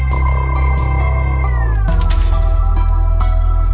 โปรดติดตามต่อไป